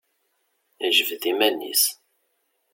Ijbed iman-is.